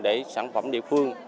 để sản phẩm địa phương